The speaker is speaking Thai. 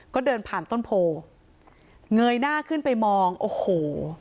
ก็เดินผ่านต้นโพเงยหน้าขึ้นไปมองโอ้โห